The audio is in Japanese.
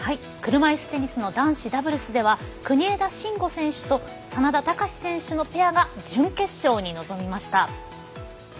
車いすテニスの男子ダブルスでは国枝慎吾選手と眞田卓選手のペアが準決勝に臨みました。